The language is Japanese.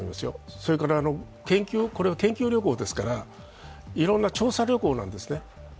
それから、これは研究旅行ですからいろんな調査旅行んですね。